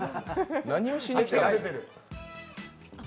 何をしに来たの？